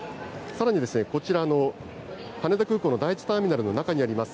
さらにこちらの羽田空港の第１ターミナルの中にあります